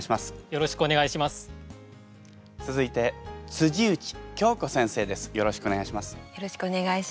よろしくお願いします。